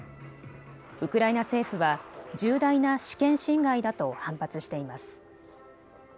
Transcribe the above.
ウクライナ政府は重大な主権侵害だと反発しています。